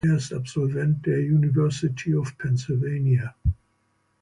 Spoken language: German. Er ist Absolvent der University of Pennsylvania.